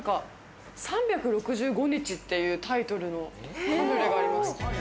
３６５日っていうタイトルのカヌレがあります。